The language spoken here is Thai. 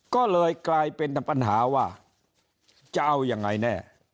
ก็เลยกลายเป็นปัญหาว่าจะเอายังไงแน่